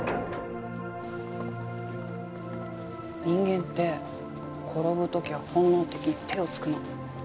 人間って転ぶ時は本能的に手をつくの。